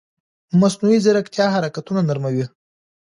مصنوعي ځیرکتیا حرکتونه نرموي.